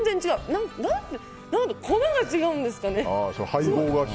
何だろう、粉が違うんですかね。